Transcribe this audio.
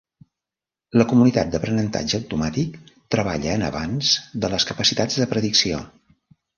La comunitat d'aprenentatge automàtic treballa en l'avanç de les capacitats de predicció.